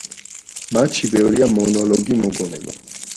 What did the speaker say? მათში ბევრია მონოლოგი, მოგონება.